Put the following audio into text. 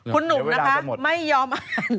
คุณหนุ่มนะคะไม่ยอมอ่าน